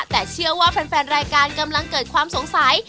แต่เชื่อว่าแฟนรายการกำลังเกิดความสงสัย